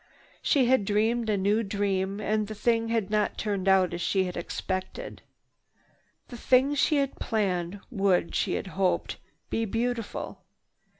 She had dreamed a new dream and the thing had not turned out as she had expected. The thing she had planned would, she had hoped, be beautiful.